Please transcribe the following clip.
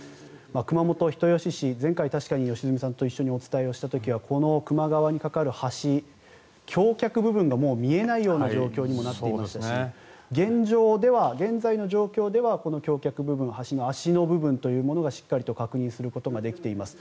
熊本・人吉市、前回確かに良純さんとお伝えしたときはこの球磨川に架かる橋橋脚部分が見えないような状況にもなっていましたし現在の状況ではこの橋脚部分橋の足の部分というものがしっかり確認することができています。